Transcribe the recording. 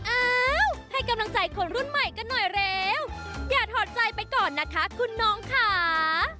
อ้าวให้กำลังใจคนรุ่นใหม่กันหน่อยเร็วอย่าถอดใจไปก่อนนะคะคุณน้องค่ะ